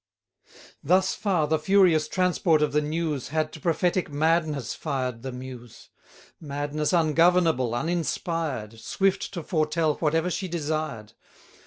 Thus far the furious transport of the news Had to prophetic madness fired the Muse; Madness ungovernable, uninspired, Swift to foretell whatever she desired.